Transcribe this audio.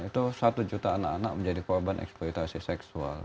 itu satu juta anak anak menjadi korban eksploitasi seksual